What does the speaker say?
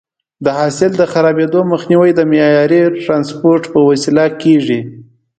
د حاصل د خرابېدو مخنیوی د معیاري ټرانسپورټ په وسیله کېږي.